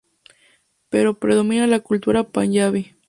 Pero predomina la cultura panyabí.